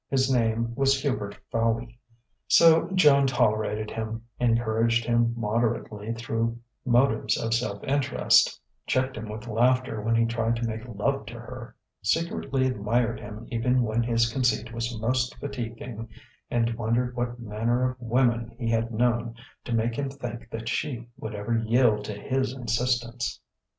His name was Hubert Fowey. So Joan tolerated him, encouraged him moderately through motives of self interest, checked him with laughter when he tried to make love to her, secretly admired him even when his conceit was most fatiguing, and wondered what manner of women he had known to make him think that she would ever yield to his insistence....